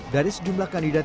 dari sejumlah kandidat